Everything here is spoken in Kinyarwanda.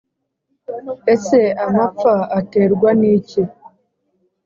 ese amapfa aterwa n’iki’